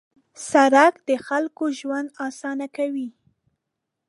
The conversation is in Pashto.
سړک د خلکو ژوند اسانه کوي.